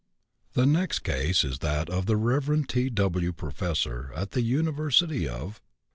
"The next case is that of the Rev. T.W., professor at the University of